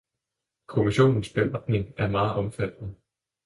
Kommissionens beretning er meget omfattende.